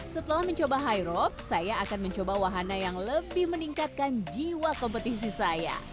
setelah mencoba high rob saya akan mencoba wahana yang lebih meningkatkan jiwa kompetisi saya